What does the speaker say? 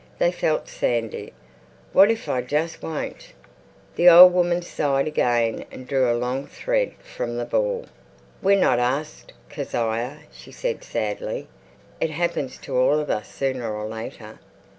They felt sandy. "What if I just won't?" The old woman sighed again and drew a long thread from the ball. "We're not asked, Kezia," she said sadly. "It happens to all of us sooner or later."